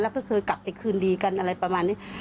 แล้วก็เคยกลับไปคืนดีกันอะไรประมาณนี้